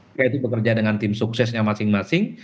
mereka itu bekerja dengan tim suksesnya masing masing